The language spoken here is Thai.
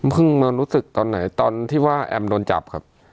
มารู้สึกตอนไหนตอนที่ว่าแอมโดนจับครับ